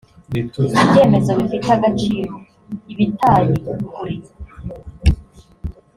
ibyemezo bifite agaciro ibitaye kure